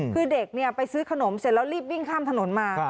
คือเด็กไปซื้อขนมเสร็จแล้วรีบวิ่งข้ามถนนมา